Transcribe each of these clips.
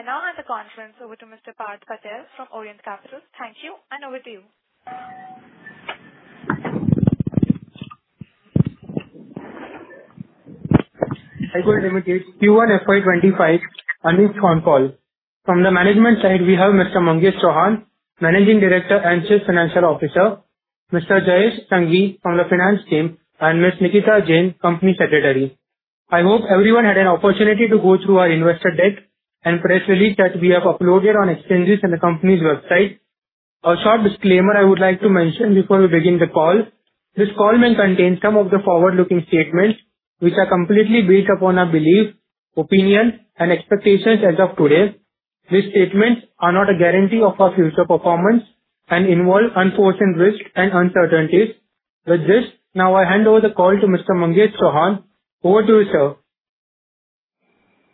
I now hand the conference over to Mr. Parth Patel from Orient Capital. Thank you, and over to you. Thank you very much. Q1 FY 25 earnings phone call. From the management side, we have Mr. Mangesh Chauhan, Managing Director and Chief Financial Officer, Mr. Jayesh Tangi from the finance team, and Ms. Nikita Jain, Company Secretary. I hope everyone had an opportunity to go through our investor deck and press release that we have uploaded on exchanges and the company's website. A short disclaimer I would like to mention before we begin the call. This call may contain some of the forward-looking statements, which are completely based upon our belief, opinions, and expectations as of today. These statements are not a guarantee of our future performance and involve unforeseen risks and uncertainties. With this, now I hand over the call to Mr. Mangesh Chauhan. Over to you, sir.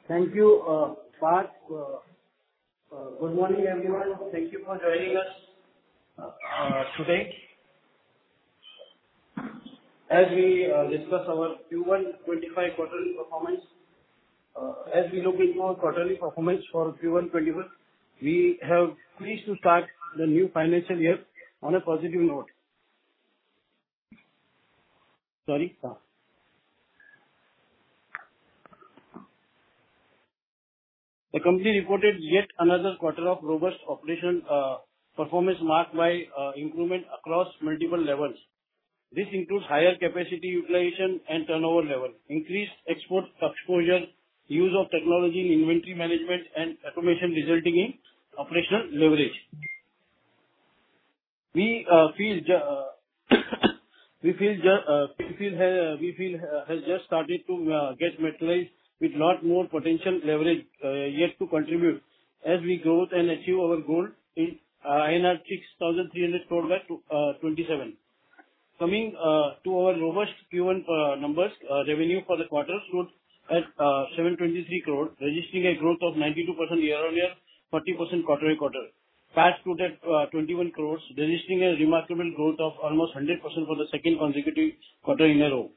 Thank you, Parth. Good morning, everyone. Thank you for joining us today. As we discuss our Q1 2025 quarterly performance, as we look into our quarterly performance for Q1 2021, we have pleased to start the new financial year on a positive note. Sorry, Parth. The company reported yet another quarter of robust operation performance marked by improvement across multiple levels. This includes higher capacity utilization and turnover level, increased export exposure, use of technology in inventory management, and automation resulting in operational leverage. We feel has just started to get materialized with lot more potential leverage yet to contribute as we growth and achieve our goal in 6,300 crore by 2027. Coming to our robust Q1 numbers, revenue for the quarter stood at 723 crore, registering a growth of 92% year-on-year, 40% quarter-on-quarter. PAT stood at 21 crore, registering a remarkable growth of almost 100% for the second consecutive quarter in a row.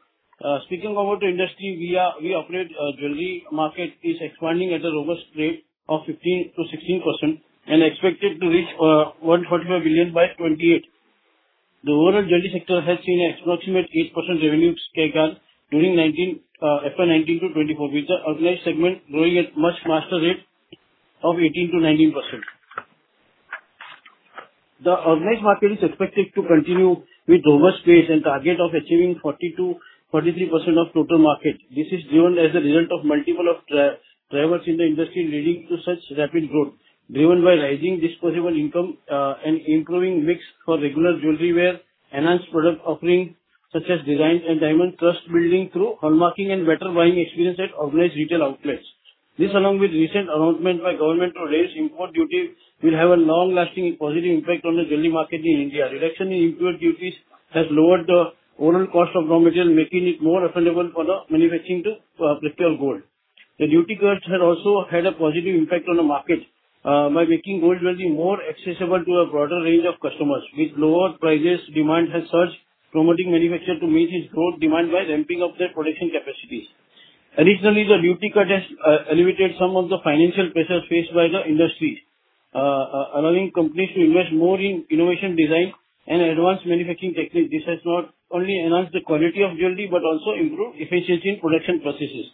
Speaking about the industry, we operate, jewelry market is expanding at a robust rate of 15%-16% and expected to reach 145 billion by 2028. The overall jewelry sector has seen an approximate 8% revenue CAGR during FY 2019-2024, with the organized segment growing at much faster rate of 18%-19%. The organized market is expected to continue with robust pace and target of achieving 40%-43% of total market. This is driven as a result of multiple travelers in the industry, leading to such rapid growth, driven by rising disposable income, and improving mix for regular jewelry wear, enhanced product offering, such as design and diamond trust building through hallmarking and better buying experience at organized retail outlets. This, along with recent announcement by government to raise import duty, will have a long-lasting positive impact on the jewelry market in India. Reduction in import duties has lowered the overall cost of raw material, making it more affordable for the manufacturing to procure gold. The duty cuts have also had a positive impact on the market by making gold jewelry more accessible to a broader range of customers. With lower prices, demand has surged, promoting manufacturers to meet this growth demand by ramping up their production capacities. Additionally, the duty cut has elevated some of the financial pressures faced by the industry, allowing companies to invest more in innovation design and advanced manufacturing techniques. This has not only enhanced the quality of jewelry, but also improved efficiency in production processes.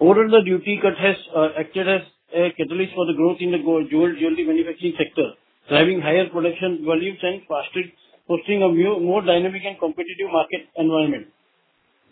Overall, the duty cut has acted as a catalyst for the growth in the gold jewelry manufacturing sector, driving higher production volumes and faster, fostering a new, more dynamic and competitive market environment.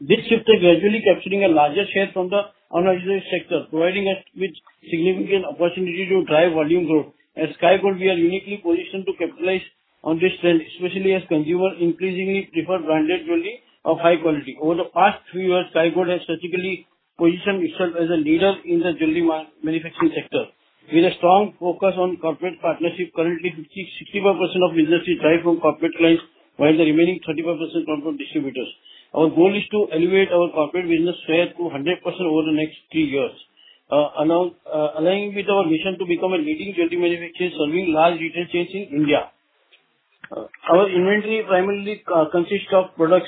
This shift is gradually capturing a larger share from the unorganized sector, providing us with significant opportunity to drive volume growth. As Sky Gold, we are uniquely positioned to capitalize on this trend, especially as consumers increasingly prefer branded jewelry of high quality. Over the past three years, Sky Gold has strategically positioned itself as a leader in the jewelry manufacturing sector. With a strong focus on corporate partnership, currently 65% of business is derived from corporate clients, while the remaining 35% come from distributors. Our goal is to elevate our corporate business share to 100% over the next three years. Aligning with our mission to become a leading jewelry manufacturer, serving large retail chains in India. Our inventory primarily consists of products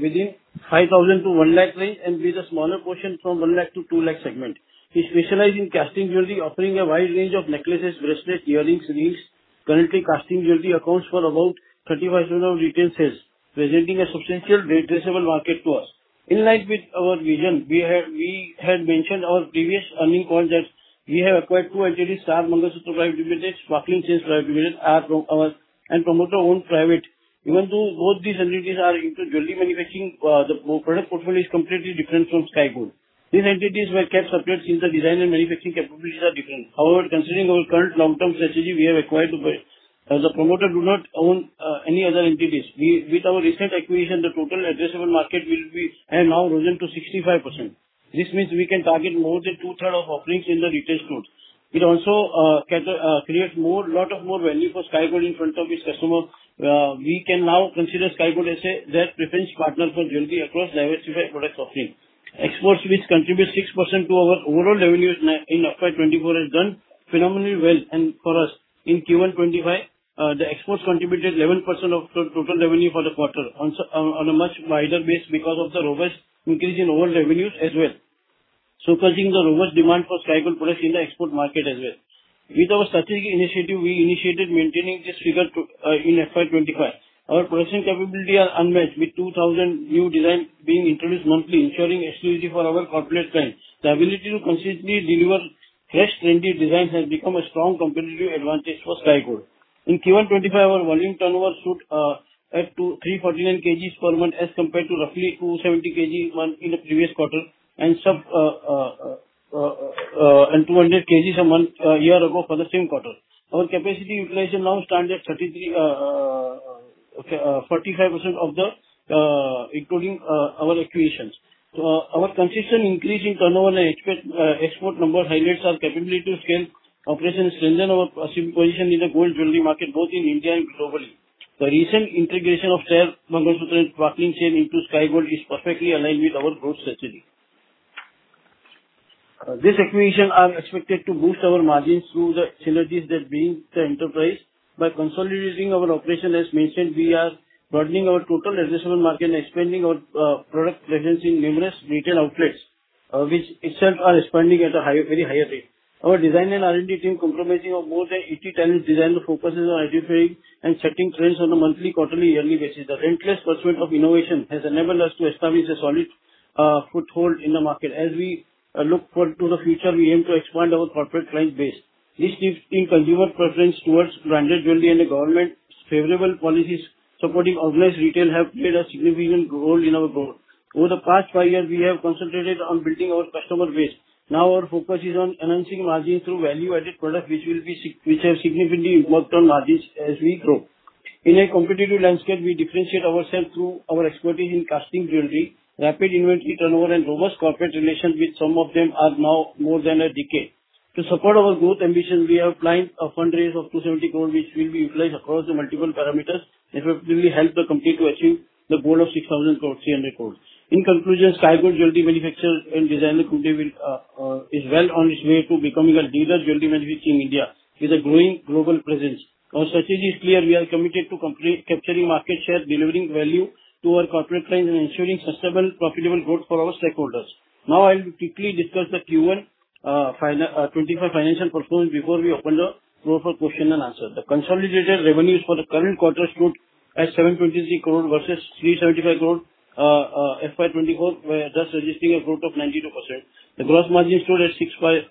within 5,000-1 lakh range, and with a smaller portion from 1 lakh-2 lakh segment. We specialize in casting jewelry, offering a wide range of necklaces, bracelets, earrings, rings. Currently, casting jewelry accounts for about 35% of retail sales, presenting a substantial addressable market to us. In line with our vision, we had mentioned our previous earnings call that we have acquired two entities, Starmangalsutra Private Limited, Sparkling Chains Private Limited, are pro our and promoter own private. Even though both these entities are into jewelry manufacturing, the product portfolio is completely different from Sky Gold. These entities were kept separate since the design and manufacturing capabilities are different. However, considering our current long-term strategy, we have acquired the buy. As a promoter do not own any other entities. With our recent acquisition, the total addressable market will be and now risen to 65%. This means we can target more than two-third of offerings in the retail store. It also, cater, creates more, lot of more value for Sky Gold in front of its customers. We can now consider Sky Gold as a their preferred partner for jewelry across diversified product offering. Exports, which contributes 6% to our overall revenues in FY 2024, has done phenomenally well. For us in Q1 2025, the exports contributed 11% of the total revenue for the quarter, on a much wider base because of the robust increase in overall revenues as well. Catching the robust demand for Sky Gold products in the export market as well. With our strategic initiative, we initiated maintaining this figure to in FY 2025. Our pricing capability are unmatched, with 2,000 new designs being introduced monthly, ensuring exclusivity for our corporate clients. The ability to consistently deliver fresh, trendy designs has become a strong competitive advantage for Sky Gold. In Q1 2025, our volume turnover stood at 2,349 kgs per month, as compared to roughly 270 kg month in the previous quarter, and 200 kgs a month year ago for the same quarter. Our capacity utilization now stands at 30-45% of the including our acquisitions. Our consistent increase in turnover and export number highlights our capability to scale operations, strengthen our position in the gold jewelry market, both in India and globally. The recent integration of Star Mangalsutra and Sparkling Chains into Sky Gold is perfectly aligned with our growth strategy. This acquisition are expected to boost our margins through the synergies that bring the enterprise. By consolidating our operation, as mentioned, we are broadening our total addressable market and expanding our product presence in numerous retail outlets, which itself are expanding at a high, very higher rate. Our design and R&D team, comprising of more than 80 talented designers who focus on anticipating and setting trends on a monthly, quarterly, yearly basis. The relentless pursuit of innovation has enabled us to establish a solid foothold in the market. As we look forward to the future, we aim to expand our corporate client base. This shift in consumer preference towards branded jewelry and the government's favorable policies supporting organized retail have played a significant role in our growth. Over the past five years, we have concentrated on building our customer base. Our focus is on enhancing margins through value-added product, which have significantly improved our margins as we grow. In a competitive landscape, we differentiate ourselves through our expertise in casting jewelry, rapid inventory turnover, and robust corporate relations with some of them are now more than a decade. To support our growth ambitions, we are planning a fundraise of 270 crore, which will be utilized across the multiple parameters, effectively help the company to achieve the goal of 6,300 crore. In conclusion, Sky Gold Jewelry Manufacturers and Designer Limited is well on its way to becoming a leader jewelry manufacturer in India, with a growing global presence. Our strategy is clear, we are committed to capturing market share, delivering value to our corporate clients, and ensuring sustainable, profitable growth for our stakeholders. Now, I'll quickly discuss the Q1 25 financial performance before we open the floor for question and answer. The consolidated revenues for the current quarter stood at INR 723 crore versus INR 375 crore FY 2024, thus registering a growth o f 92%. The gross margin stood at 6.5%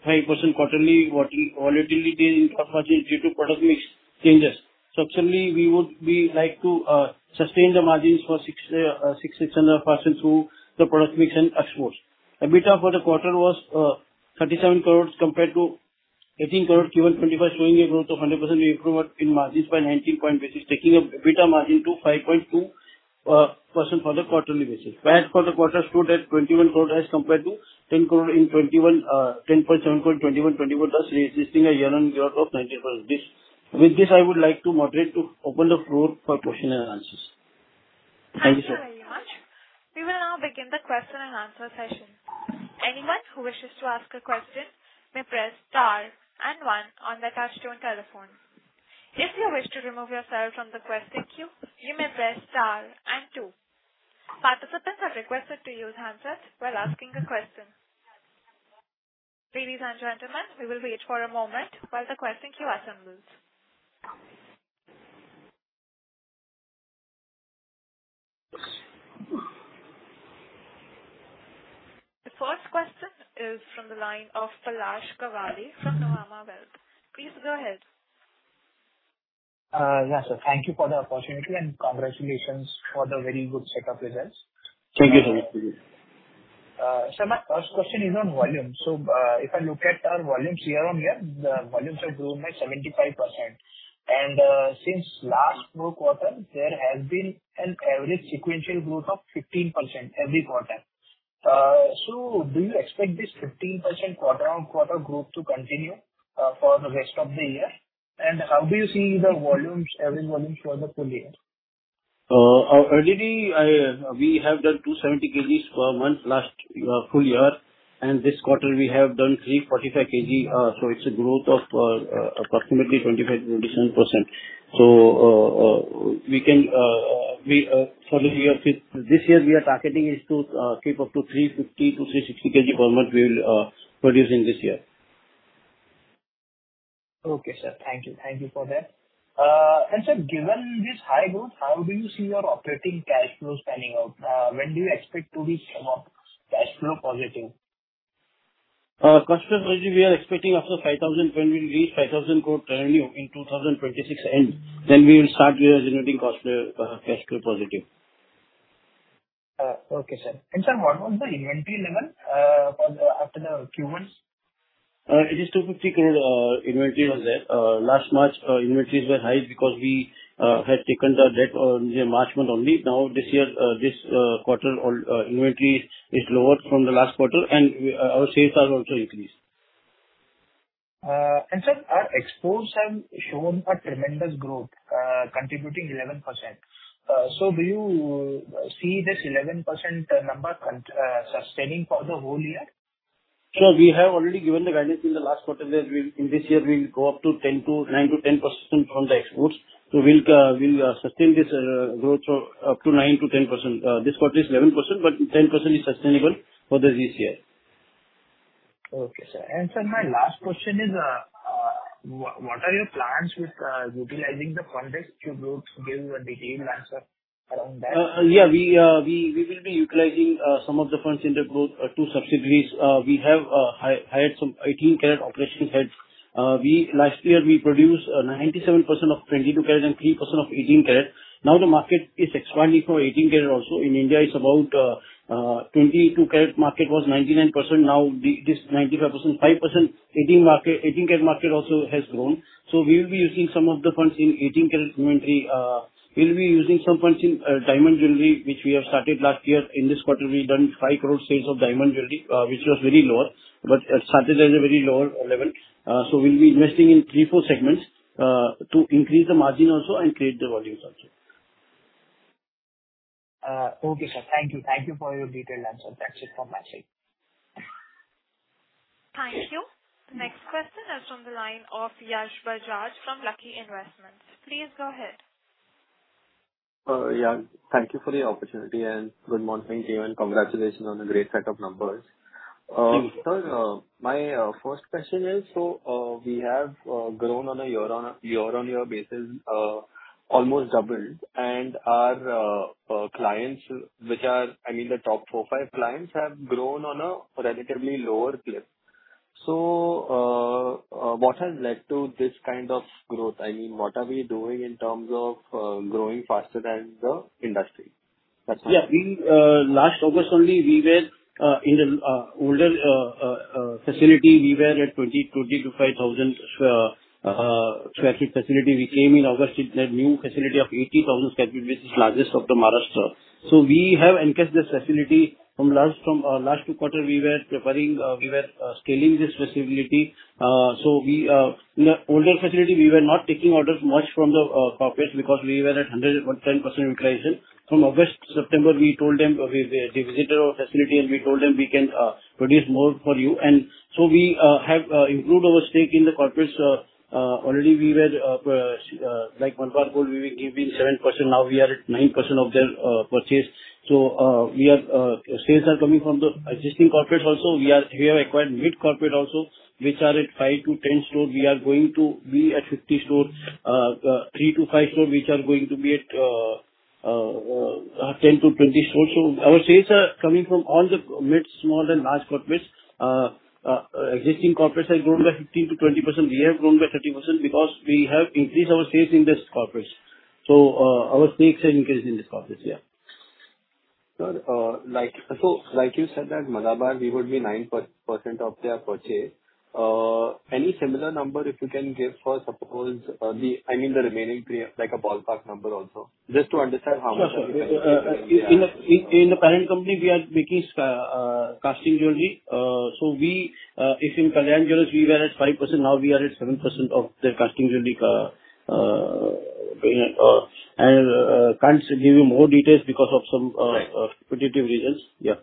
quarterly, volatility in gross margin due to product mix changes. Subsequently, we would be like to sustain the margins for 6.5% through the product mix and exports. EBITDA for the quarter was 37 crore compared to 18 crore Q1 25, showing a growth of 100% improvement in margins by 19 point basis, taking a EBITDA margin to 5.2% for the quarterly basis. VAT for the quarter stood at 21 crore as compared to 10 crore in 2021, 10.7 crore in 2021-2024, thus registering a year-on-year of 19%. With this, I would like to moderate to open the floor for question and answers. Thank you, sir. Thank you very much. We will now begin the question and answer session. Anyone who wishes to ask a question may press star and one on their touchtone telephone. If you wish to remove yourself from the question queue, you may press star and two. Participants are requested to use handsets while asking a question. Ladies and gentlemen, we will wait for a moment while the question queue assembles. The first question is from the line of Palash Kawale from Nuvama Wealth. Please go ahead. Yeah, sir. Thank you for the opportunity. Congratulations for the very good set of results. Thank you, sir. My first question is on volume. If I look at our volumes year-on-year, the volumes have grown by 75%. Since last four quarters, there has been an average sequential growth of 15% every quarter. Do you expect this 15% quarter-on-quarter growth to continue for the rest of the year? How do you see the volumes, average volumes for the full year? Already, I, we have done 270 kgs per month, last full year, and this quarter we have done 345 kg. It's a growth of approximately 25%-27%. We can, we, for the year, this year we are targeting is to keep up to 350-360 kg per month we will produce in this year. Okay, sir, thank you. Thank you for that. sir, given this high growth, how do you see your operating cash flow panning out? When do you expect to be cash flow positive? Cash flow positive, we are expecting after 5,000, when we reach 5,000 crore revenue in 2026 end, then we will start with generating cash flow, cash flow positive. Okay, sir. Sir, what was the inventory level, for the... after the Q1? it is 250 crore inventory was there. Last month, inventories were high because we had taken the debt in the March month only. Now, this year, this quarter, inventory is lower from the last quarter, and we our sales are also increased. Sir, our exports have shown a tremendous growth, contributing 11%. Do you see this 11% number sustaining for the whole year? Sir, we have already given the guidance in the last quarter that we, in this year, we will go up to 9%-10% from the exports. We'll sustain this growth of up to 9%-10%. This quarter is 11%, but 10% is sustainable for this year. Okay, sir. Sir, my last question is, what are your plans with utilizing the funds to grow to give a detailed answer around that? Yeah, we will be utilizing some of the funds in the growth, two subsidiaries. We have hired some 18-carat operational heads. Last year, we produced 97% of 22-carat and 3% of 18-carat. The market is expanding for 18-carat also. In India, it's about, 22-carat market was 99%. It is 95%. 5% 18-carat market also has grown. We will be using some of the funds in 18-carat inventory. We'll be using some funds in diamond jewelry, which we have started last year. In this quarter, we've done 5 crore sales of diamond jewelry, which was very lower. It started as a very lower level. We'll be investing in three, four segments to increase the margin also and create the volumes also. Okay, sir. Thank you. Thank you for your detailed answer. That's it from my side. Thank you. Next question is from the line of Yash Bajaj from Lucky Investments. Please go ahead. Yeah, thank you for the opportunity and good morning to you, and congratulations on the great set of numbers. Mm. Sir, my first question is, we have grown on a year-on-year basis, almost doubled. Our clients, I mean, the top four, five clients have grown on a relatively lower clip. What has led to this kind of growth? I mean, what are we doing in terms of growing faster than the industry? That's it. Yeah. We last August only, we were in an older facility. We were at 20,000-25,000 traffic facility. We came in August in a new facility of 80,000 capacity, which is largest of the Maharashtra. We have increased this facility from last two quarter, we were preparing, we were scaling this facility. We in the older facility, we were not taking orders much from the corporates because we were at 110% utilization. From August, September, we told them, they visited our facility, we told them, "We can produce more for you." We have improved our stake in the corporates. Already we were, like, one part gold, we were giving 7%, now we are at 9% of their purchase. Sales are coming from the existing corporates also. We have acquired mid corporate also, which are at 5-10 stores. We are going to be at 50 stores, 3-5 stores, which are going to be at 10-20 stores. Our sales are coming from all the mid, small and large corporates. Existing corporates have grown by 15%-20%. We have grown by 30% because we have increased our sales in this corporates. Our stakes are increased in this corporates. Yeah. Sir, like you said, that Malabar, we would be 9% of their purchase. Any similar number, if you can give for, suppose, the, I mean, the remaining three, like a ballpark number also, just to understand how much? Sure, sir. in the parent company, we are making casting jewelry. we, if in Kalyan Jewellers, we were at 5%, now we are at 7% of their casting jewelry, and can't give you more details because of some- Right. competitive reasons. Yeah.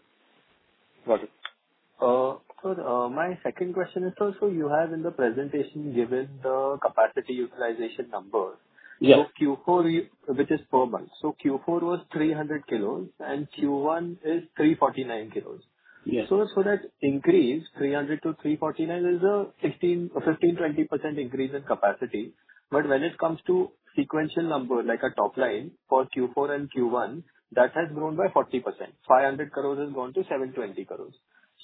Got it. My second question is also, you have in the presentation given the capacity utilization number. Yes. Q4, which is per month. Q4 was 300 kilos, and Q1 is 349 kilos. Yes. That increase, 300kg-349 kg, is a 16%, a 15%, 20% increase in capacity. When it comes to sequential number, like a top line for Q4 and Q1, that has grown by 40%. 500 crores has grown to 720 crores.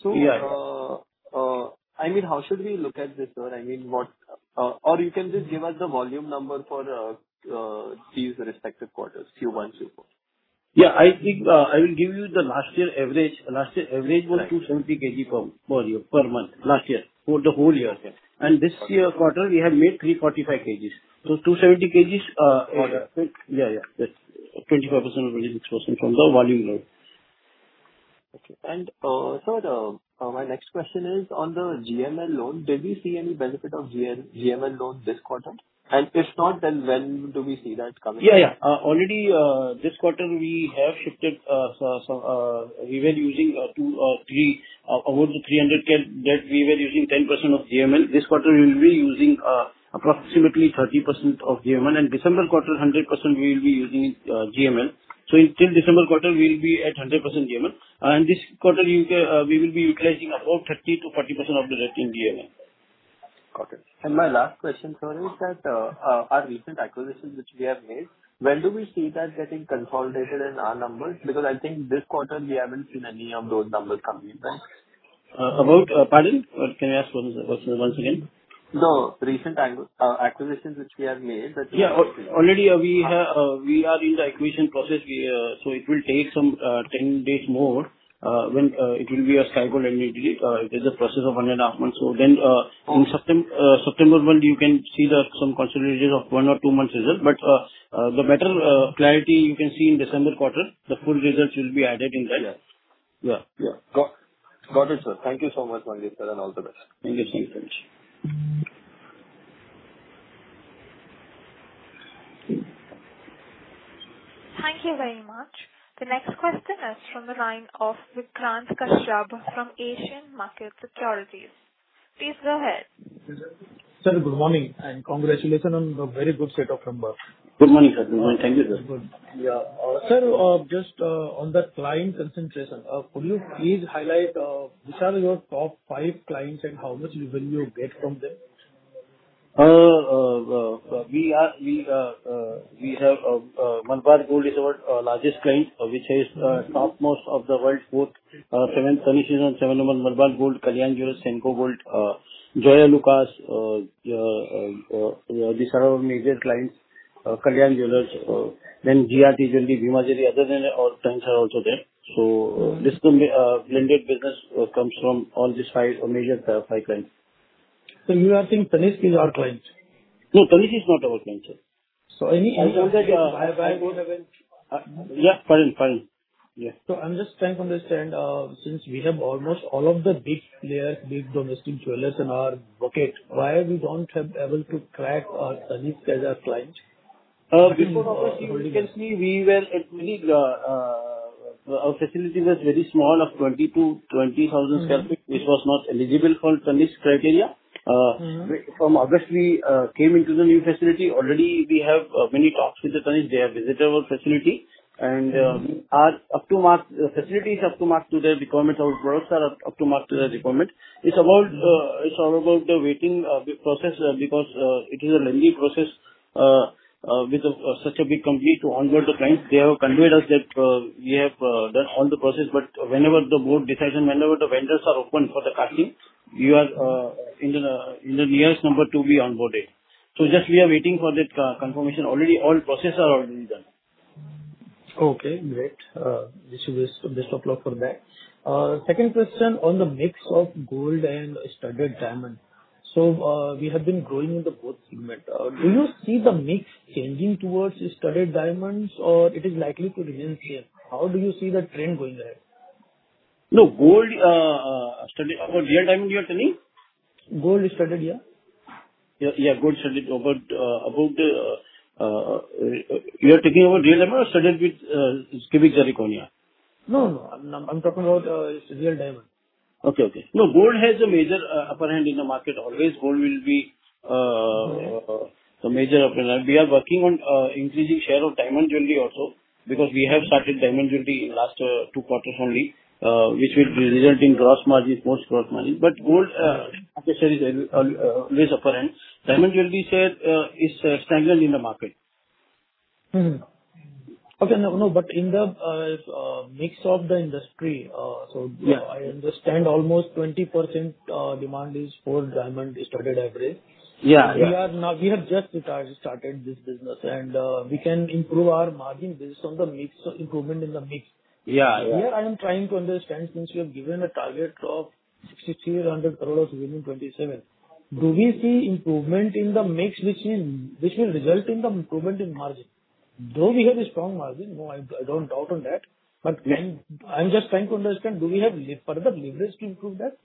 Yes. I mean, how should we look at this, sir? I mean, or you can just give us the volume number for these respective quarters, Q1-Q4. Yeah, I think, I will give you the last year average. Last year average. Right. was 270 kg per year, per month, last year, for the whole year. Okay. this year quarter, we have made 345 kg. 270 kg. Correct. Yeah, yeah, that's 25%, really 6% from the volume load. Okay. Sir, my next question is on the GML loan. Did we see any benefit of GML loan this quarter? If not, then when do we see that coming? Yeah, yeah. Already, this quarter, we have shifted, so, we were using about 300 kg, that we were using 10% of GML. This quarter, we will be using approximately 30% of GML, and December quarter, 100% we will be using GML. Till December quarter, we will be at 100% GML, and this quarter, we can, we will be utilizing about 30%-40% of the rest in GML. Got it. My last question, sir, is that our recent acquisitions which we have made, when do we see that getting consolidated in our numbers? Because I think this quarter we haven't seen any of those numbers coming in. Pardon? Can you ask once again? No, recent acquisitions which we have made- Yeah. Already, we have, we are in the acquisition process. We... It will take some 10 days more, when it will be cycled immediately. It is a process of 1.5 months. In September month, you can see the some consolidation of one or two months result. The better clarity you can see in December quarter, the full results will be added in that. Yeah. Yeah, yeah. Got it, sir. Thank you so much, Mangesh sir, and all the best. Thank you. Thanks so much. Thank you very much. The next question is from the line of Vikrant Kashyap from Asian Markets Securities. Please go ahead. Sir, good morning, and congratulations on the very good set of numbers. Good morning, sir. Good morning. Thank you, sir. Good. Yeah. Sir, just on the client concentration, could you please highlight which are your top five clients and how much revenue you get from them? We have Malabar Gold & Diamonds is our largest client, which is topmost of the world, both seven services and seven Malabar Gold & Diamonds, Kalyan Jewellers, Senco Gold, Joyalukkas. These are our major clients. Kalyan Jewellers, GIA, other than that, all clients are also there. This blended business comes from all these five major clients. You are saying Tanishq is our client? No, Tanishq is not our client, sir. So any- Yeah, Tanishq. Yeah. I'm just trying to understand, since we have almost all of the big players, big domestic jewelers in our bucket, why we don't have able to crack Tanishq as our client? Before, you can see, we were at really, our facility was very small, of 20,000 sq ft. Mm-hmm. This was not eligible for Tanishq criteria. Mm-hmm. From August, we came into the new facility. Already we have many talks with the Tanishq. They have visited our facility, and our up-to-mark facility is up-to-mark to their requirements. Our products are up-to-mark to their requirement. It's all about the waiting process because it is a lengthy process with such a big company to onboard the clients. They have conveyed us that we have done all the process, but whenever the board decides and whenever the vendors are open for the casting, we are in the nearest number to be onboarded. Just we are waiting for that confirmation. Already, all process are already done. Okay, great. Wish you best of luck for that. Second question on the mix of gold and studded diamond. We have been growing in the both segment. Do you see the mix changing towards the studded diamonds or it is likely to remain same? How do you see the trend going ahead? No, gold, studded. About real diamond, you are telling? Gold studded, yeah. Yeah, gold studded. About the, you are talking about real diamond or studded with cubic zirconia? No, no, I'm talking about real diamond. Okay, okay. No, gold has a major, upper hand in the market. Always, gold will be- Mm-hmm. The major upper hand. We are working on increasing share of diamond jewelry also, because we have started diamond jewelry in last two quarters only, which will result in gross margin, more gross margin. Gold, I can say is always upper hand. Diamond jewelry share is stronger in the market. Mm-hmm. Okay, no, in the mix of the industry. Yeah. I understand almost 20%, demand is for diamond studded average. Yeah, yeah. We have just started this business, we can improve our margin based on the mix, improvement in the mix. Yeah, yeah. Here, I am trying to understand, since you have given a target of 6,300 crore of within 2027, do we see improvement in the mix which will result in the improvement in margin? Though we have a strong margin, no, I don't doubt on that. Yeah. I'm just trying to understand, do we have further leverage to improve that?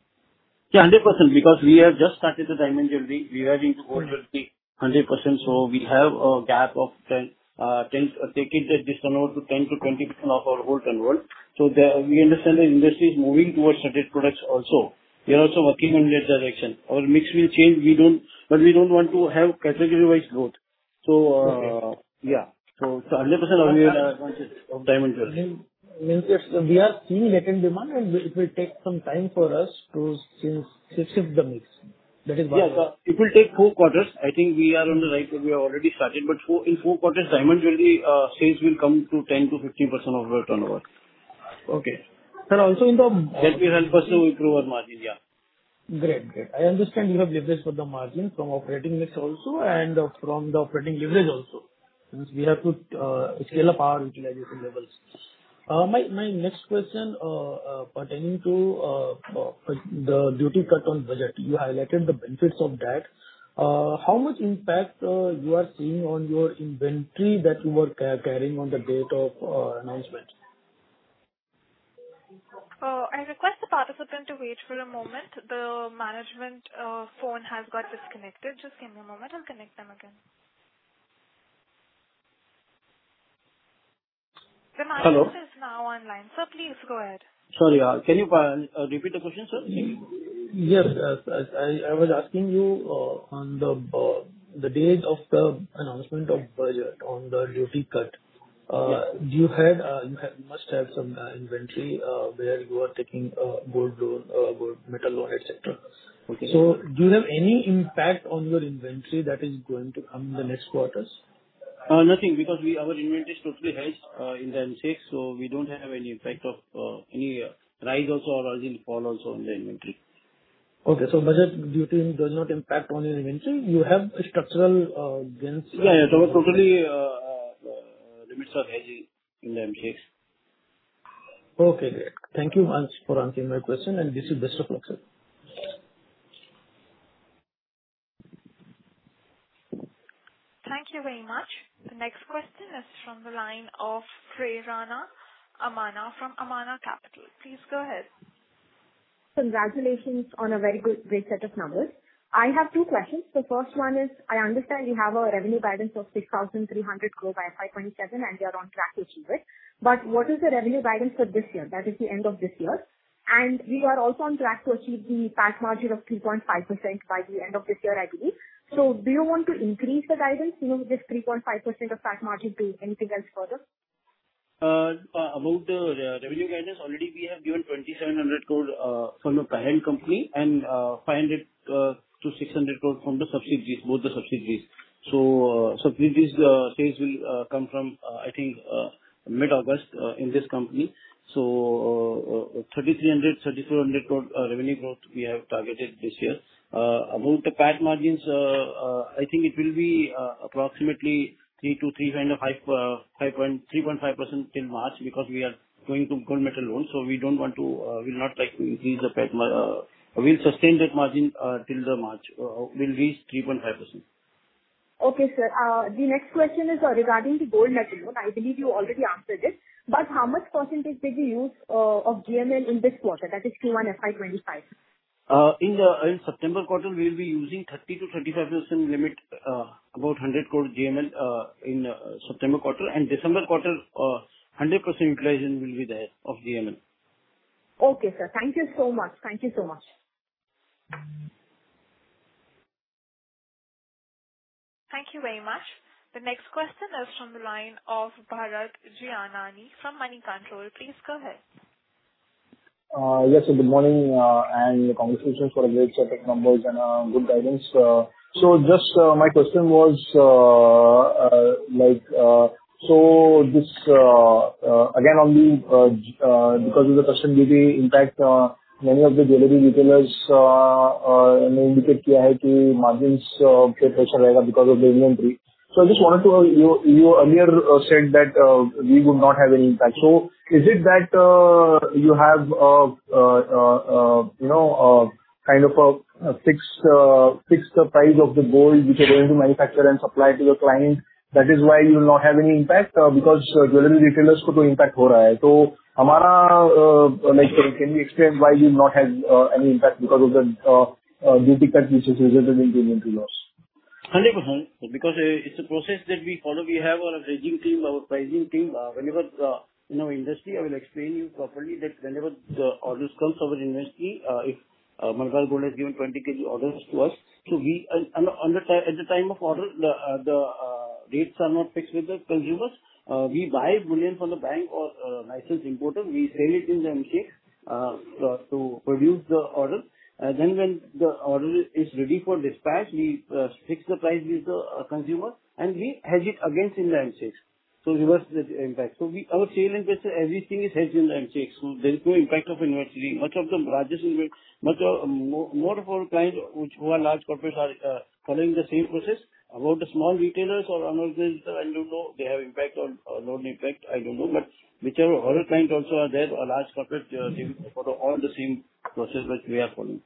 Yeah, 100%, because we have just started the diamond jewelry. We are into gold jewelry 100%, so we have a gap of 10, taking the discount to 10%-20% of our whole turnover. We understand the industry is moving towards studded products also. We are also working in that direction. Our mix will change, we don't want to have category-wise growth. Okay. Yeah. 100% we are conscious of diamond jewelry. means that we are seeing latent demand, and it will take some time for us to shift the mix. That is why- Yes, it will take four quarters. I think we are on the right way, we have already started, in four quarters, diamond jewelry sales will come to 10%-15% of our turnover. Okay. Sir, also in the- Help me, help us to improve our margin. Yeah. Great, great. I understand you have leverage for the margin from operating mix also and from the operating leverage also, since we have to scale up our utilization levels. My next question pertaining to the duty cut on budget. You highlighted the benefits of that. How much impact you are seeing on your inventory that you were carrying on the date of announcement? I request the participant to wait for a moment. The management phone has got disconnected. Just give me a moment, I'll connect them again. Hello. Is now online. Sir, please go ahead. Sorry, can you repeat the question, sir? I was asking you on the date of the announcement of budget on the duty cut. Yes. You had, must have some inventory, where you are taking gold loan, gold metal loan, et cetera. Okay. Do you have any impact on your inventory that is going to come in the next quarters? Nothing, because we, our inventory is totally hedged, in the MCX, so we don't have any impact of any rise also or any fall also on the inventory. Budget duty does not impact on your inventory. You have structural gains? Yeah, yeah, totally, limits are hedging in the MCX. Okay, great. Thank you once for answering my question. This is best of luck, sir. Thank you very much. The next question is from the line of Prerana Amana from Amana Capital. Please go ahead. Congratulations on a very good, great set of numbers! I have two questions. The first one is: I understand you have a revenue guidance of 6,300 grow by 5.7%, and you are on track to achieve it. What is the revenue guidance for this year, that is, the end of this year? You are also on track to achieve the PAT margin of 3.5% by the end of this year, I believe. Do you want to increase the guidance, you know, this 3.5% of PAT margin to anything else further? About the revenue guidance, already we have given 2,700 crore from the parent company and 500-600 crore from the subsidiaries, both the subsidiaries. This phase will come from I think mid-August in this company. 3,300-3,400 crore revenue growth we have targeted this year. About the PAT margins, I think it will be approximately 3.5% in March, because we are going to gold metal loans, we don't want to increase the PAT margin, we'll sustain that margin till the March, we'll reach 3.5%. Okay, sir. The next question is regarding the gold metal loan. I believe you already answered it, but how much percentage did you use of GML in this quarter, that is, Q1 FY 25? In September quarter, we will be using 30%-35% limit, about 100 crore GML, in September quarter, and December quarter, 100% utilization will be there of GML. Okay, sir. Thank you so much. Thank you so much. Thank you very much. The next question is from the line of Bharat Gianani from Moneycontrol. Please go ahead. Yes, sir, good morning, and congratulations for a great set of numbers and good guidance. Just my question was, like, so this, again, only, because of the question may be, in fact, many of the jewelry retailers indicate..., margins pressure because of the inventory. I just wanted to, you earlier said that we would not have any impact. Is it that you have, you know, kind of a fixed price of the gold which you are going to manufacture and supply to your clients? That is why you will not have any impact, like, can you explain why you not have any impact because of the duty cut, which has resulted in inventory loss? 100%, because it's a process that we follow. We have our hedging team, our pricing team. Whenever in our industry, I will explain you properly, that whenever the orders comes over industry, if Mangal Gold has given 20 kg orders to us, so we, under, at the time of order, the rates are not fixed with the consumers. We buy bullion from the bank or licensed importer. We sell it in the MCX to produce the order. When the order is ready for dispatch, we fix the price with the consumer, and we hedge it against in the MCX, so reverse the impact. Our selling price, everything is hedged in the MCX, so there is no impact of inventory. Most of our clients, which, who are large corporates are following the same process. About the small retailers or another retailer, I don't know, they have impact or no impact, I don't know. Whichever, our clients also are there, are large corporate, they follow all the same process which we are following.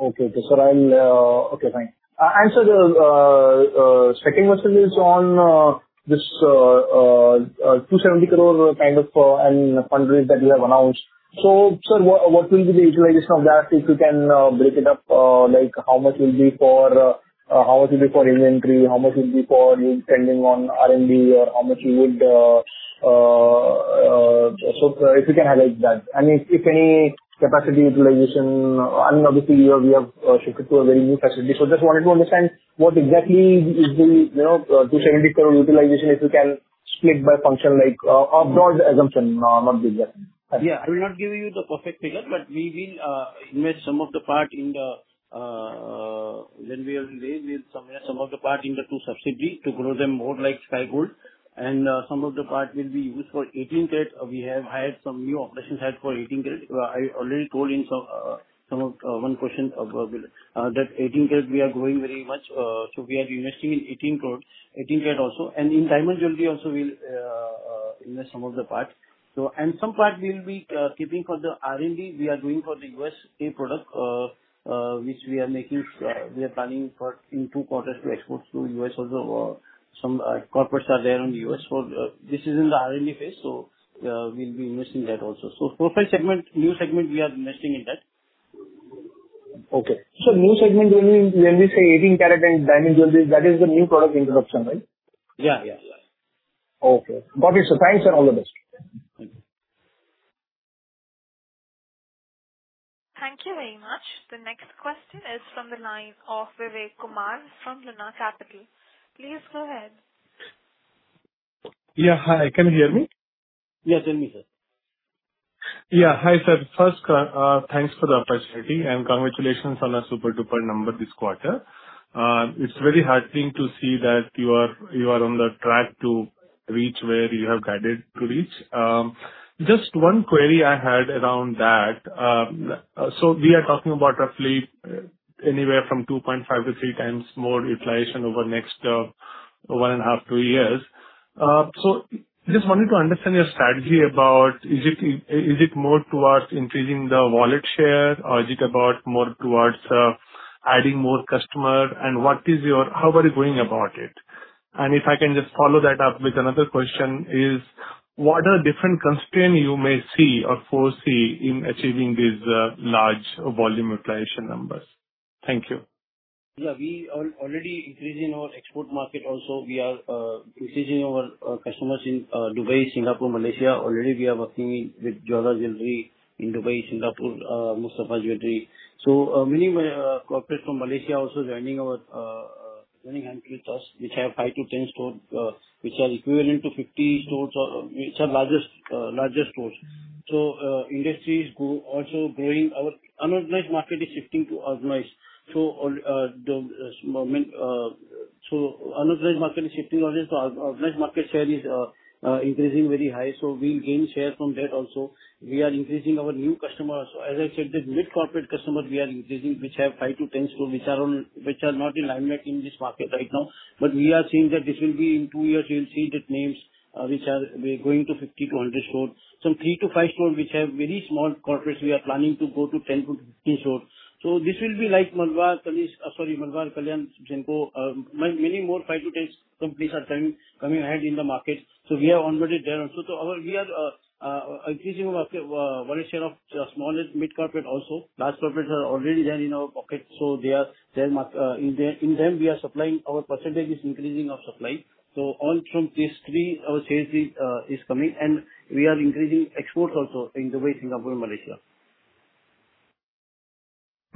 Okay. I'll Okay, fine. The second question is on this 270 crore kind of and fundraise that you have announced. Sir, what will be the utilization of that? If you can break it up, like, how much will be for inventory? How much will be for spending on R&D or how much you would if you can highlight that. If any capacity utilization, and obviously you have shifted to a very new facility. Just wanted to understand what exactly is the, you know, 270 crore utilization, if you can split by function, like, of broad assumption, not the exact. Yeah, I will not give you the perfect figure, but we will invest some of the part in the when we are ready, we'll some of the part in the two subsidiary to grow them more like Sky Gold. Some of the part will be used for 18-carat. We have hired some new operations head for 18-carat. I already told in some of one question of that 18-carat we are growing very much, so we are investing in 18-carat also. In diamond jewelry also we'll invest some of the part. Some part we will be keeping for the R&D we are doing for the U.S. a product, which we are making, we are planning for in two quarters to export to U.S. Some corporates are there in the U.S. This is in the R&D phase, we'll be investing that also. Profile segment, new segment, we are investing in that. Okay. new segment will be, when we say 18-carat and diamond jewelry, that is the new product introduction, right? Yeah, yeah. Okay. Got it, sir. Thanks. All the best. Thank you. Thank you very much. The next question is from the line of Vivek Kumar from Luna Capital. Please go ahead. Yeah, hi, can you hear me? Yes, tell me, sir. Hi, sir. First, thanks for the opportunity, congratulations on a super-duper number this quarter. It's very heartening to see that you are on the track to reach where you have guided to reach. Just one query I had around that. We are talking about roughly anywhere from 2.5x-3x more utilization over the next 1.5, two years. Just wanted to understand your strategy about is it more towards increasing the wallet share, or is it about more towards adding more customer, what is your, how are you going about it? If I can just follow that up with another question, is what are different constraints you may see or foresee in achieving these large volume application numbers? Thank you. Yeah, we are already increasing our export market. We are increasing our customers in Dubai, Singapore, Malaysia. We are working with jeweler jewelry in Dubai, Singapore, Mustafa Jewellery. Many corporate from Malaysia also joining our joining hands with us, which have 5-10 store, which are equivalent to 50 stores or it's a largest stores. Industry is also growing. Our organized market is shifting to organized. The unorganized market is shifting on this, organized market share is increasing very high, we gain share from that also. We are increasing our new customers. As I said, the mid-corporate customers, we are increasing, which have 5-10 store, which are not in line in this market right now. We are seeing that this will be in two years. You'll see that names, which are we going to 50-100 stores. Some 3-5 stores, which have very small corporates, we are planning to go to 10-15 stores. This will be like Malabar, Kalyan, Senco. Many more 5-10 companies are coming ahead in the market, so we are on board there also. We are increasing our volume share of small and mid-corporate also. Large corporates are already there in our pocket, so they are, their mark, in them, we are supplying. Our percentage is increasing our supply. All from these three, our sales is coming, and we are increasing exports also in Dubai, Singapore, and Malaysia.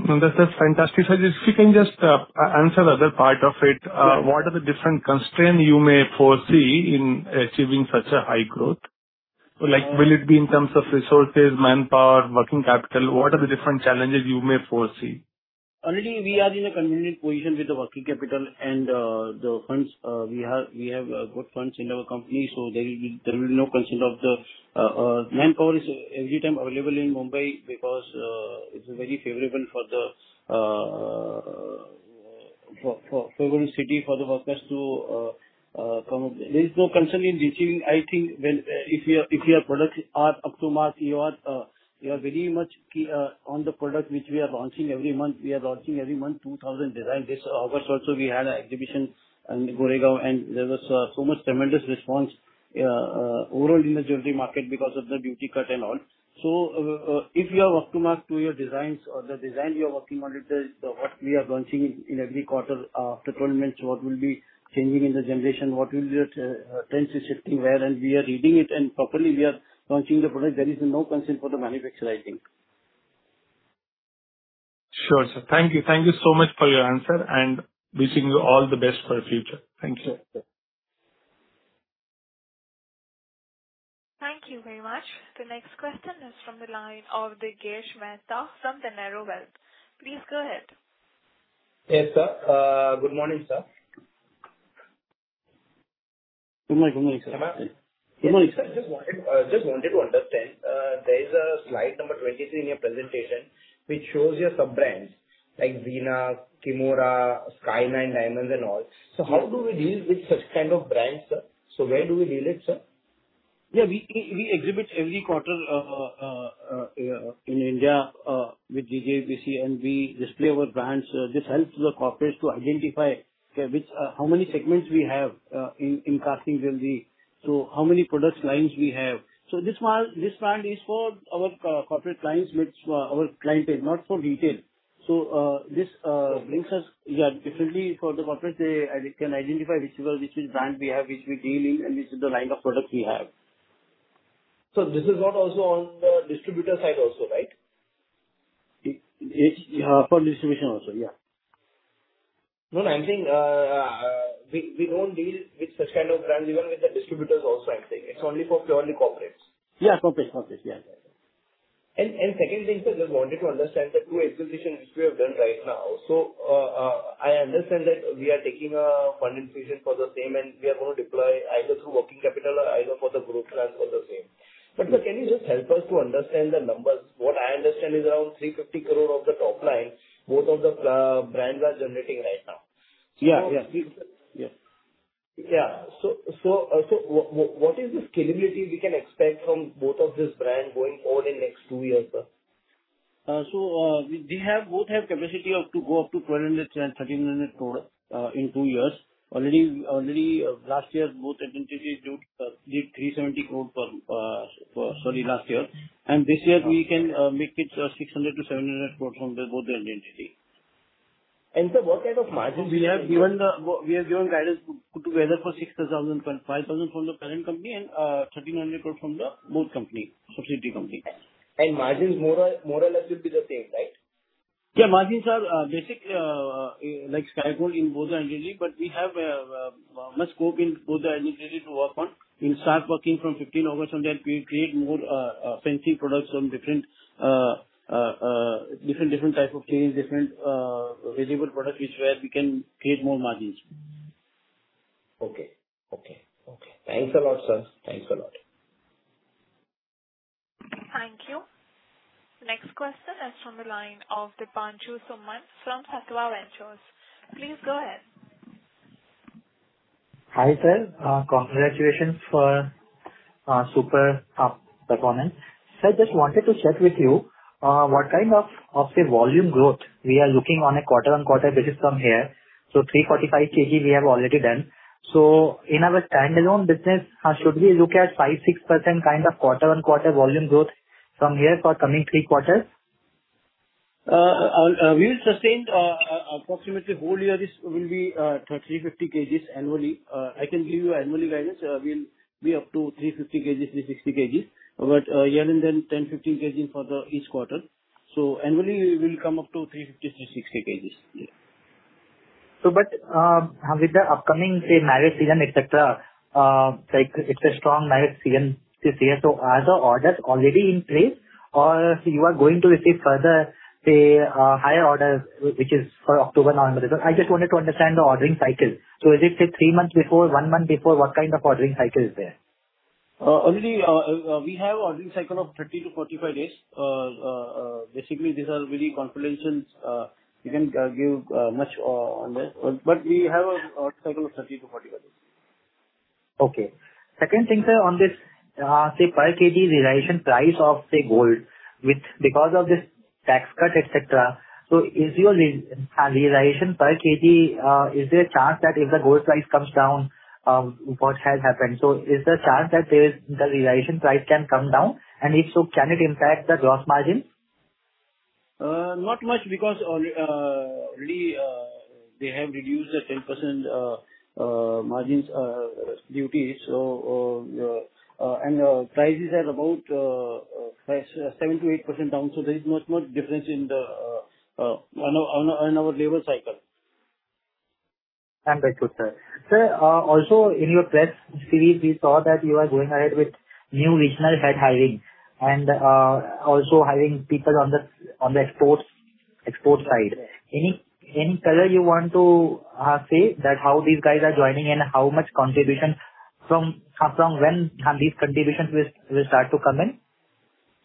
That's a fantastic service. If you can just answer the other part of it. Yeah. What are the different constraints you may foresee in achieving such a high growth? Like, will it be in terms of resources, manpower, working capital? What are the different challenges you may foresee? Already we are in a convenient position with the working capital and the funds, we have good funds in our company. There will be no concern of the manpower is every time available in Mumbai because it's very favorable for the favorable city for the workers to come up. There is no concern in reaching. I think when if your products are up to mark, you are very much clear on the product, which we are launching every month. We are launching every month 2,000 designs. This August also, we had an exhibition in Goregaon, and there was so much tremendous response overall in the jewelry market because of the duty cut and all. If you are up to mark to your designs or the design you are working on, it is what we are launching in every quarter. After 12 months, what will be changing in the generation, what will be, trends is shifting where, and we are reading it, and properly we are launching the product. There is no concern for the manufacturer, I think. Sure, sir. Thank you. Thank you so much for your answer, and wishing you all the best for the future. Thank you. Thank you very much. The next question is from the line of Digesh Mehta from the Narrowburg. Please go ahead. Yes, sir. Good morning, sir. Good morning, good morning, sir. Hello. Good morning, sir. I just wanted to understand, there is a slide number 23 in your presentation, which shows your sub-brands, like Veena, Kimora, Sky9 and all. How do we deal with such kind of brands, sir? Where do we deal it, sir? Yeah, we exhibit every quarter in India with GJC, and we display our brands. This helps the corporates to identify which how many segments we have in casting jewelry, so how many products lines we have. So this one, this brand is for our corporate clients, which our client is not for retail. This brings us, yeah, differently for the corporate, they can identify which is brand we have, which we deal in, and this is the line of products we have. This is not also on the distributor side also, right? It for distribution also, yeah. No, I'm saying, we don't deal with such kind of brands, even with the distributors also, I think. It's only for purely corporates. Yeah, corporates. Corporates, yeah. Second thing, sir, just wanted to understand the two exhibitions which we have done right now. I understand that we are taking a funding decision for the same, and we are going to deploy either through working capital or either for the growth plans for the same. Sir, can you just help us to understand the numbers? What I understand is around 350 crore of the top line, both of the brands are generating right now. Yeah, yeah. Yeah. Yeah. What is the scalability we can expect from both of these brands going forward in next two years, sir? We have, both have capacity up to go up to 1,200-1,300 crore in two years. Already last year, both entities did 370 crore for sorry, last year. This year we can make it 600-700 crore from the both the entity. sir, what kind of margins- We are giving guidance to together for 6,000 crore and 5,000 crore from the parent company and 1,300 crore from the both company, subsidiary company. Margins more or less will be the same, right? Margins are basically Sky Gold in both the entity, but we have much scope in both the entity to work on. We'll start working from 15 August, and then we create more fancy products from different different type of change, different valuable product, which where we can create more margins. Okay. Okay. Okay. Thanks a lot, sir. Thanks a lot. Thank you. Next question is from the line of Dipanju Soman from Satava Ventures. Please go ahead. Hi, sir. Congratulations for super performance. Sir, I just wanted to share with you what kind of the volume growth we are looking on a quarter-on-quarter basis from here. 345 kg we have already done. In our standalone business, should we look at 5%-6% kind of quarter-on-quarter volume growth from here for coming three quarters? We've sustained approximately whole year, this will be 30kg, 50 kg annually. I can give you annually guidance. We'll be up to 350 kg, 360 kg. Year and then 10 kg-15 kg for the each quarter. Annually we'll come up to 350 kg-360 kg. With the upcoming marriage season, et cetera, it's a strong marriage season this year, so are the orders already in place or you are going to receive further higher orders, which is for October, November? I just wanted to understand the ordering cycle. Is it three months before, one month before? What kind of ordering cycle is there? Already, we have ordering cycle of 30-45 days. Basically, these are very confidential. We can't give much on this, but we have a cycle of 30-45 days. Second thing, sir, on this, say, per kg realization price of, say, gold, which because of this tax cut, et cetera, is your realization per kg, is there a chance that if the gold price comes down, what has happened? Is there a chance that there's the realization price can come down, and if so, can it impact the gross margin? Not much, because really, they have reduced the 10% margins duties. And prices are about 7%-8% down, so there is not much difference in the on our labor cycle. I'm very good, sir. Sir, also in your press series, we saw that you are going ahead with new regional head hiring and also hiring people on the export side. Any color you want to say that how these guys are joining and how much contribution from when can these contributions will start to come in?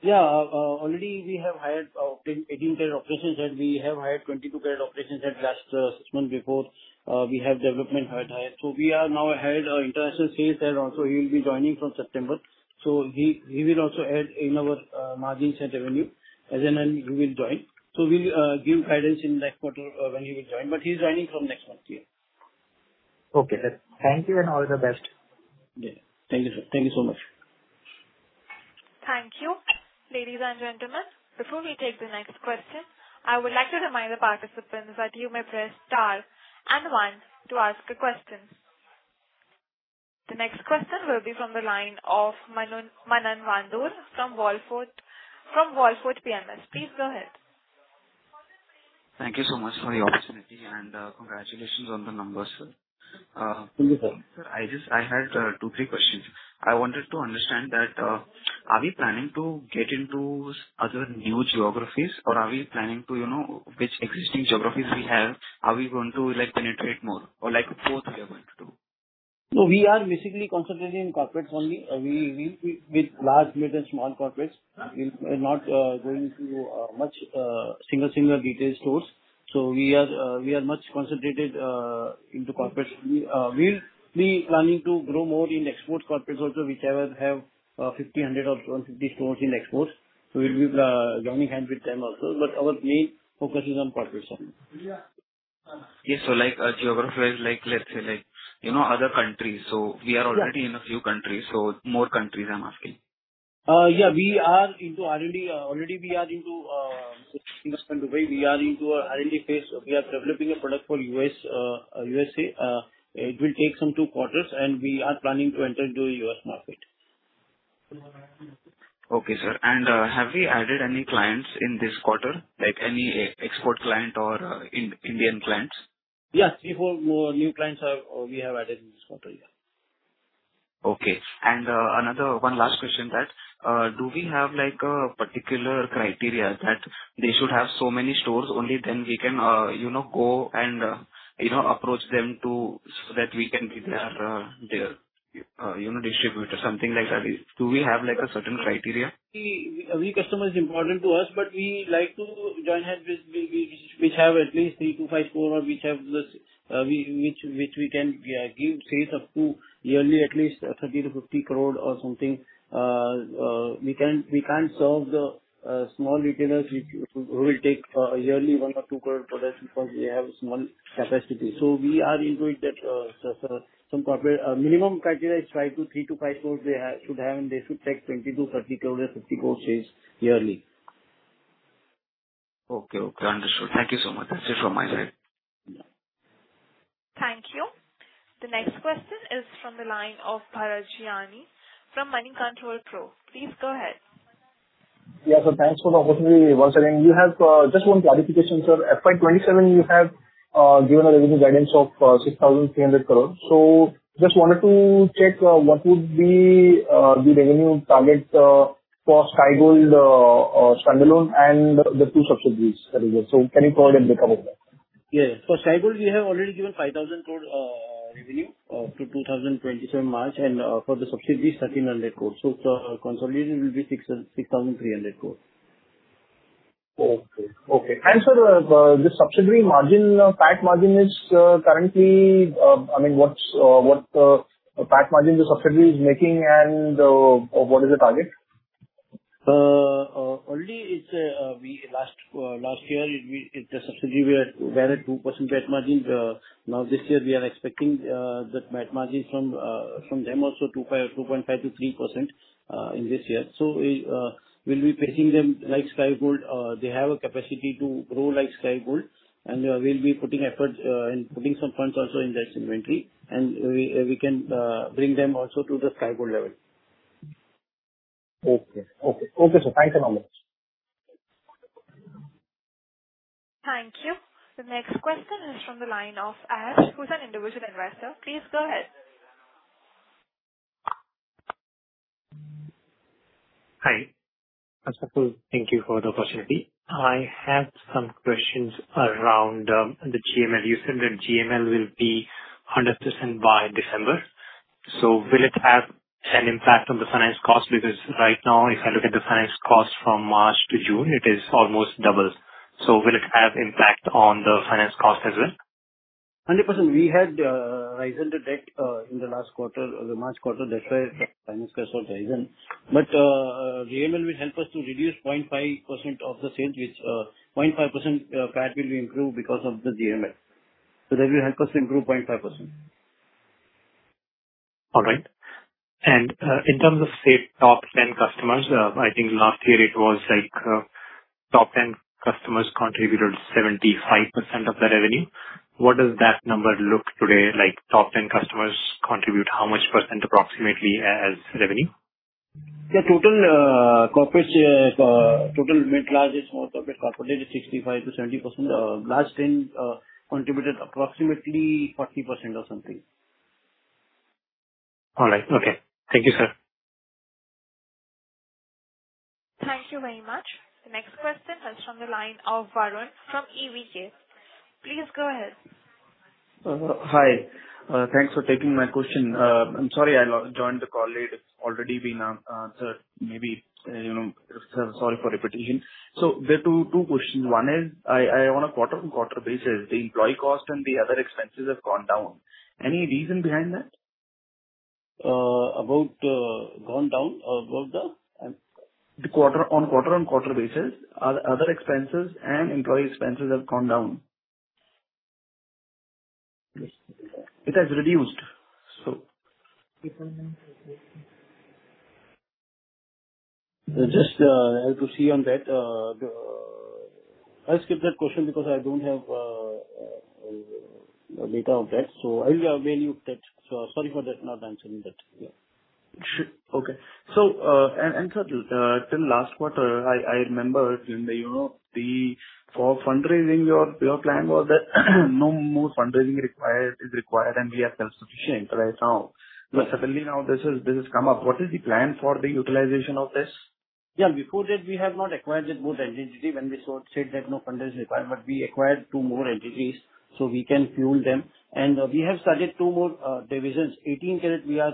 Yeah, already we have hired 18 trade operations, and we have hired 22 trade operations at last assessment before we have development hired. We are now hired our international sales, and also he will be joining from September. He will also add in our margin center revenue, as and when he will join. We'll give guidance in next quarter when he will join, but he's joining from next month, yeah. Okay, sir. Thank you and all the best. Yeah. Thank you, sir. Thank you so much. Thank you. Ladies and gentlemen, before we take the next question, I would like to remind the participants that you may press Star and One to ask a question. The next question will be from the line of Manan Mandor from Wallfort PMS. Please go ahead. Thank you so much for the opportunity and, congratulations on the numbers, sir. Thank you, sir. Sir, I had two, three questions. I wanted to understand that, are we planning to get into other new geographies, or are we planning to, you know, which existing geographies we have, are we going to, like, penetrate more or like what we are going to do? No, we are basically concentrated in corporates only. We with large, medium, and small corporates, we're not going into much single detail stores. We are much concentrated into corporates. We're planning to grow more in export corporates also, whichever have 50, 100 or 250 stores in exports. We'll be joining hands with them also, but our main focus is on corporates only. Yeah. Yes, so like, geographies, like, let's say, like, you know, other countries, so we are. Yeah. Already in a few countries, so more countries, I'm asking. Yeah, we are into R&D. Already we are into, we are into a R&D phase. We are developing a product for U.S., USA. It will take some two quarters, and we are planning to enter into US market. Okay, sir. Have we added any clients in this quarter, like any e-export client or Indian clients? Yes, three more new clients, we have added in this quarter, yeah. Okay. Another one last question that, do we have, like, a particular criteria that they should have so many stores, only then we can, you know, go and, you know, approach them to, so that we can be their, you know, distributor, something like that? Do we have, like, a certain criteria? Every customer is important to us, we like to join hands with, which have at least 3-5 stores, which have the, which we can give sales up to yearly at least 30 crore-50 crore or something. We can't serve the small retailers who will take yearly 1 crore or 2 crore products because they have small capacity. We are into it that some corporate minimum criteria is 3-5 stores they should have, and they should take 22, 30 crore, or 50 crore sales yearly. Okay, understood. Thank you so much. That's it from my side. Thank you. The next question is from the line of Bharat Gianani from Moneycontrol Pro. Please go ahead. Thanks for the opportunity once again. You have just one clarification, sir. FY 2027, you have given a revenue guidance of 6,300 crores. Just wanted to check what would be the revenue target for Sky Gold standalone and the two subsidiaries that is there. Can you call them bit about that? Yes. For Sky Gold, we have already given 5,000 crore revenue to 2027 March, and for the subsidiaries, 1,300 crore. The consolidation will be 6,300 crore. Okay, okay. Sir, the subsidiary margin, PAT margin is, currently, I mean, what PAT margin the subsidiary is making, and, what is the target? Only it's, we last last year, the subsidiary, we had a 2% PAT margin. Now, this year we are expecting that PAT margin from them also 2.5%-3% in this year. We'll be treating them like Sky Gold. They have a capacity to grow like Sky Gold, and we'll be putting efforts and putting some funds also in their inventory, and we can bring them also to the Sky Gold level. Okay. Okay. Okay, sir. Thank you very much. Thank you. The next question is from the line of Ash, who's an individual investor. Please go ahead. Hi. Thank you for the opportunity. I have some questions around the GML. You said that GML will be 100% by December. Will it have an impact on the finance cost? Right now, if I look at the finance cost from March to June, it is almost double. Will it have impact on the finance cost as well? 100%. We had risen the debt in the last quarter, the March quarter. That's why finance cost risen. GML will help us to reduce 0.5% of the sales, which 0.5% PAT will be improved because of the GML. That will help us improve 0.5%. All right. In terms of, say, top 10 customers, I think last year it was like, top 10 customers contributed 75% of the revenue. What does that number look today like? Top 10 customers contribute how much % approximately as revenue? The total corporate total mid-large is more corporate is 65%-70%. Large ten contributed approximately 40% or something. All right. Okay. Thank you, sir. Thank you very much. The next question is from the line of Varun from EVK. Please go ahead. Hi. Thanks for taking my question. I'm sorry I joined the call late. It's already been answered. Maybe, you know, sorry for repetition. There are two questions. One is, I want a quarter-on-quarter basis. The employee cost and the other expenses have gone down. Any reason behind that? about, gone down, about the...? The quarter, on quarter on quarter basis, other expenses and employee expenses have gone down. Yes. It has reduced, so. Just, I have to see on that. I'll skip that question because I don't have data on that. I will avail you that. Sorry for that, not answering that. Yeah. Sure. Okay. And, sir, till last quarter, I remember in the, you know, the For fundraising, your plan was that no more fundraising is required, and we are self-sufficient right now. Suddenly, now this has come up. What is the plan for the utilization of this? Before that, we have not acquired that more entity. When we saw, said that no funders required, but we acquired two more entities, so we can fuel them. We have started two more divisions. 18-carat, we are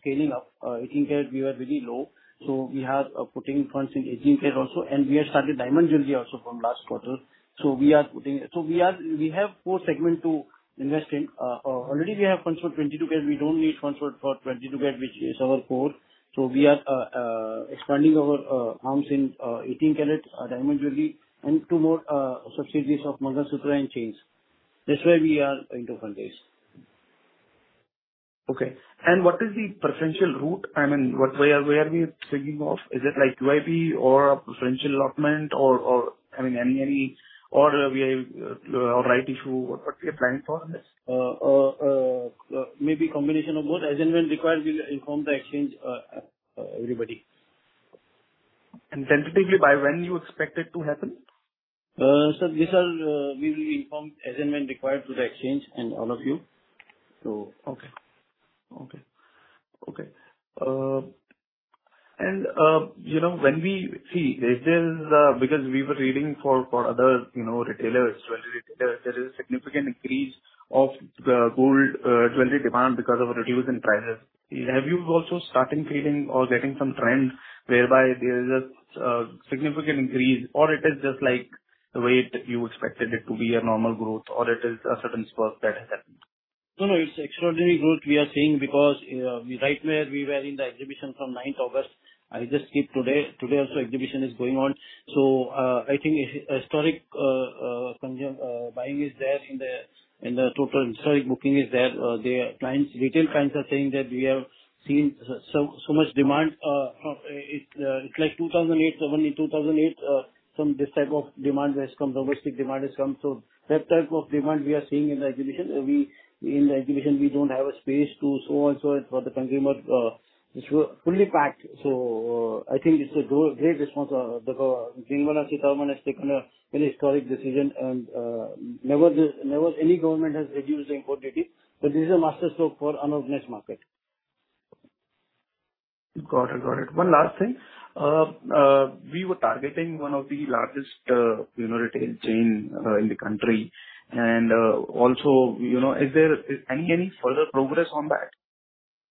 scaling up. 18-carat, we were very low, so we are putting funds in 18-carat also, and we have started diamond jewelry also from last quarter. We have four segment to invest in. Already we have funded 22-carat. We don't need funds for 22-carat, which is our core. We are expanding our funds in 18-carat, diamond jewelry, and two more subsidiaries of Mangalsutra and chains. That's why we are going to fundraise. Okay. What is the preferential route? I mean, what way, where are we thinking of? Is it like QIP or a preferential allotment or, I mean, any? We have a rights issue? What are we planning for this? Maybe combination of both. As and when required, we'll inform the exchange, everybody. Tentatively, by when you expect it to happen? Sir, these are, we will inform as and when required to the exchange and all of you, so. Okay. Okay. Okay. You know, is there, because we were reading for other, you know, retailers, jewelry retailers, there is a significant increase of the gold jewelry demand because of a reduction in prices. Have you also starting feeling or getting some trends whereby there is a significant increase, or it is just like the way that you expected it to be a normal growth, or it is a certain spark that has happened? No, no, it's extraordinary growth we are seeing because, right where we were in the exhibition from 9th August, I just came today. Today also, exhibition is going on. I think historic, consume, buying is there in the, in the total historic booking is there. The clients, retail clients are saying that we have seen so much demand, it's like 2008. Only 2008, some this type of demand has come, domestic demand has come. That type of demand we are seeing in the exhibition. We, in the exhibition, we don't have a space to so and so for the consumer, it's fully packed. I think this is a great response. The Nirmala Sitharaman has taken a really historic decision. Never any government has reduced the import duty. This is a master stroke for unobvious market. Got it. One last thing. We were targeting one of the largest, you know, retail chain in the country. Also, you know, is there any further progress on that?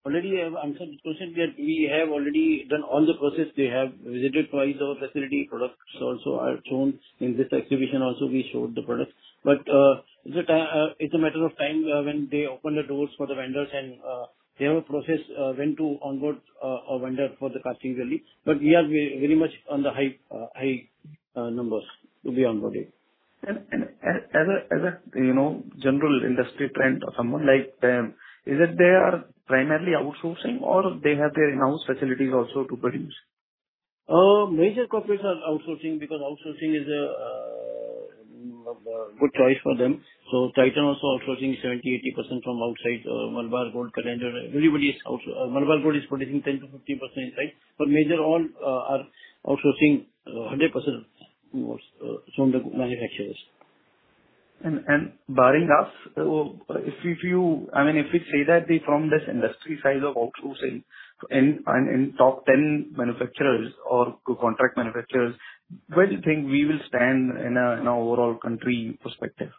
Already I have answered this question that we have already done all the process. They have visited twice our facility, products also are shown. In this exhibition also, we showed the products. It's a matter of time when they open the doors for the vendors, and they have a process when to onboard a vendor for the casting jewelry. We are very much on the high numbers to be onboarded. As a, you know, general industry trend or someone like them, is it they are primarily outsourcing or they have their in-house facilities also to produce? Major corporates are outsourcing because outsourcing is a good choice for them. Titan also outsourcing 70%-80% from outside. Malabar Gold, Kalyan Jewellers, everybody is. Malabar Gold is producing 10%-15% inside, but major all are outsourcing 100%, more from the manufacturers. Barring us, I mean, if we say that they from this industry size of outsourcing and top 10 manufacturers or to contract manufacturers, where do you think we will stand in an overall country perspective?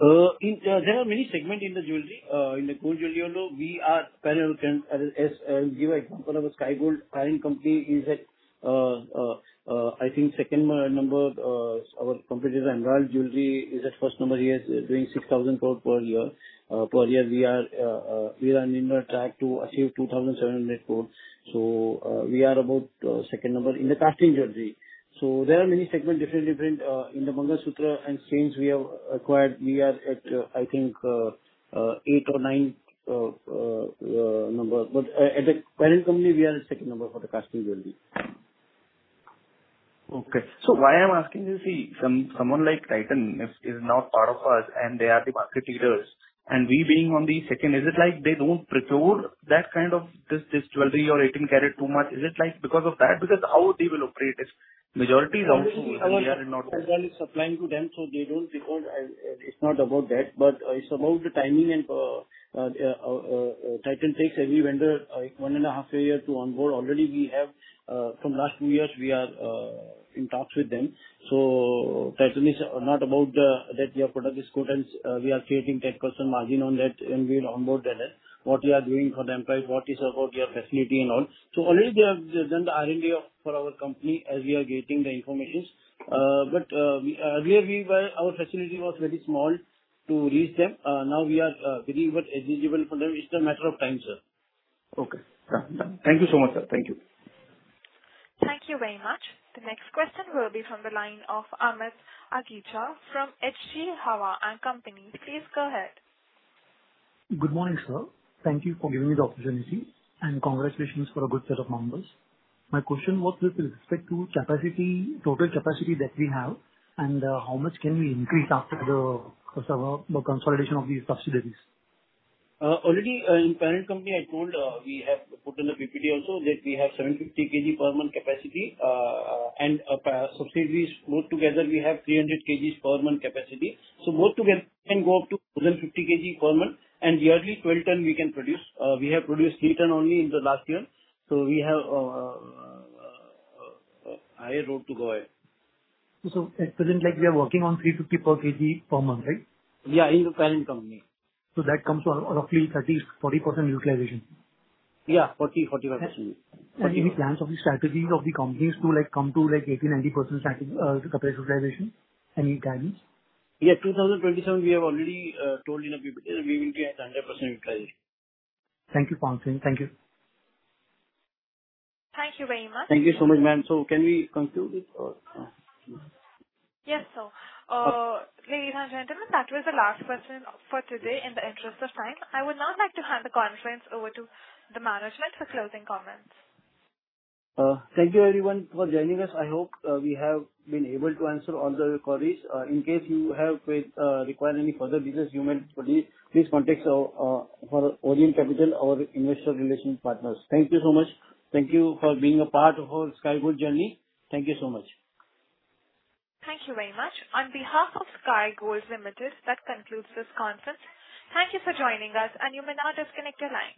In, there are many segments in the jewelry. In the gold jewelry, although we are Parent Company, as I give example of a Sky Gold, Parent Company is at, I think second, our competitor, Anral Jewelry, is at first. He is doing 6,000 gold per year. Per year, we are running on track to achieve 2,700 gold. We are about second in the casting jewelry. There are many segments, different, in the mangalsutra and chains we have acquired. We are at, I think, eight or nine. At the Parent Company, we are the second for the casting jewelry. Why I'm asking you, see, someone like Titan is not part of us, and they are the market leaders, and we being on the second, is it like they don't procure that kind of this jewelry or 18-carat too much? Is it like because of that? Because how they will operate is majority is outsourcing, we are not. As well is supplying to them, they don't procure, it's not about that, it's about the timing and Titan takes every vendor 1.5 years to onboard. Already we have from last two years, we are in talks with them. Titan is not about that their product is good, we are creating 10% margin on that, and we'll onboard that. What we are doing for them, like what is about their facility and all. Already they have done the R&D for our company as we are getting the information. We, our facility was very small to reach them. Now we are very much eligible for them. It's just a matter of time, sir. Okay. Done, done. Thank you so much, sir. Thank you. Thank you very much. The next question will be from the line of Amit Akecha from HDFC Hava and Company. Please go ahead. Good morning, sir. Thank you for giving me the opportunity. Congratulations for a good set of numbers. My question was with respect to capacity, total capacity that we have, and how much can we increase after the consolidation of these subsidiaries? Already, in parent company, I told we have put in the PPD also, that we have 750 kg per month capacity, and subsidiaries put together, we have 300 kgs per month capacity. Both together can go up to 250 kg per month, and yearly, 12 tons we can produce. We have produced 3 tons only in the last year, we have a higher road to go ahead. At present, like we are working on 350 per kg per month, right? Yeah, in the parent company. That comes to roughly 30%-40% utilization. Yeah, 40%-45%. Any plans or the strategies of the companies to, like, come to, like, 80%-90% capacity utilization? Any timings? Yeah, 2027, we have already told you in a PPD, we will be at 100% utilization. Thank you, Pankaj. Thank you. Thank you very much. Thank you so much, ma'am. Can we conclude this or? Yes, sir. Ladies and gentlemen, that was the last question for today in the interest of time. I would now like to hand the conference over to the management for closing comments. Thank you everyone for joining us. I hope we have been able to answer all the queries. In case you require any further business, you may please contact our for Orient Capital, our investor relation partners. Thank you so much. Thank you for being a part of our Sky Gold journey. Thank you so much. Thank you very much. On behalf of Sky Gold Limited, that concludes this conference. Thank you for joining us, and you may now disconnect your line.